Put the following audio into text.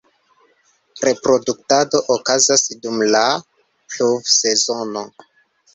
Reproduktado okazas dum la pluvsezono.